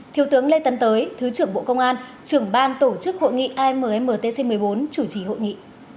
thiếu tướng lê tấn tới thứ trưởng bộ công an trưởng ban tổ chức hội nghị ammtc một mươi bốn chủ trì hội nghị